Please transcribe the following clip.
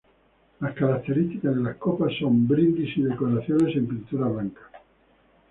Las características de las copas son brindis y decoraciones en pintura blanca.